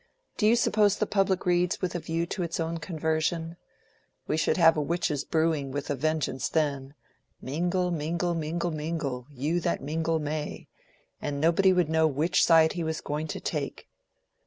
"Do you suppose the public reads with a view to its own conversion? We should have a witches' brewing with a vengeance then—'Mingle, mingle, mingle, mingle, You that mingle may'—and nobody would know which side he was going to take."